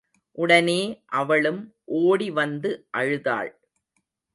உடனே அவளும் ஓடிவந்து அழுதாள்.